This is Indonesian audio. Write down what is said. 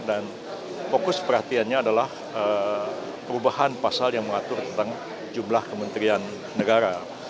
dan fokus perhatiannya adalah perubahan pasal yang mengatur tentang jumlah kementerian negara